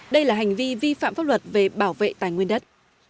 đây là hành vi vi phạm pháp luật về bảo vệ tài nguyên đất